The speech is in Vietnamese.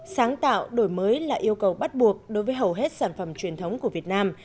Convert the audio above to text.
sáng tạo đổi mới là yêu cầu bắt buộc đối với hầu hết sản phẩm truyền thống của việt nam